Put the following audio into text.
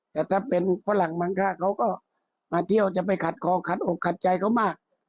แต่ถ้าเป็นฝรั่งบางค่าเขาก็มาเที่ยวจะไปขัดคอขัดอกขัดใจเขามาก